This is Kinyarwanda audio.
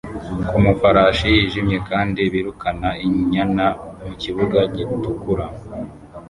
ku mafarashi yijimye kandi birukana inyana mu kibuga gitukura